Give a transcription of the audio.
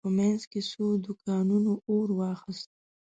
د کلا په مينځ کې څو دوکانونو اور واخيست.